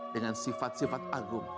dengan sifat sifat agung